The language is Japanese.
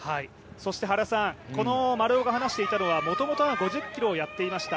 そして丸尾が話していたのはもともと５０ｋｍをやっていました